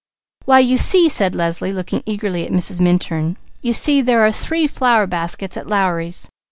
"Why you see," said Leslie, looking eagerly at Mrs. Minturn, "you see there are three flower baskets at Lowry's.